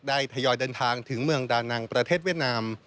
ทยอยเดินทางถึงเมืองดานังประเทศเวียดนาม